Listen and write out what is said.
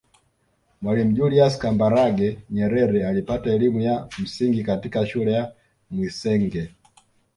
Mwalimu Julius Kambarage Nyerere alipata elimu ya msingi katika shule ya Mwisenge